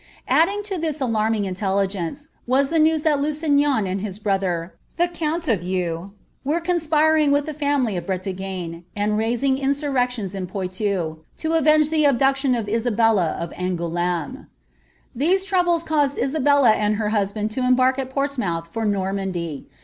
Addd to this alarming intelligence, was the news that Lusignan and his broihtr, the count of Eu, were conspiring with the family of firriaipe, nt raising insunections in Poilou, to avenge the abdaciioo of k^tella ol Angoul£me. These troubles caused Isabella and her husband to eisbBrk at PmM moiiih for Normandy.